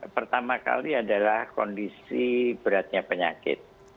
pertama kali adalah kondisi beratnya penyakit